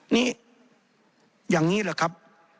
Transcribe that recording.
นี่อย่างนี้แหละครับ